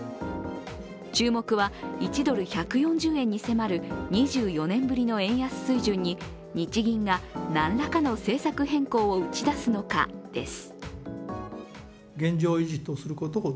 注目は１ドル＝１４０円に迫る２４年ぶりの円安水準に日銀が何らかの政策変更を打ち出すのか、です。